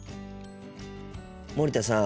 森田さん。